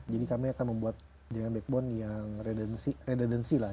jadi kami akan membuat jaringan backbone yang redundancy lah